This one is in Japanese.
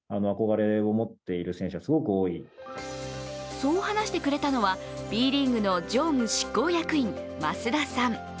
そう話してくれたのは、Ｂリーグの常務執行役員、増田さん。